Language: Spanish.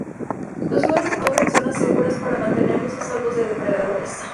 Los huevos se colocan en zonas seguras para mantenerlos a salvo de depredadores.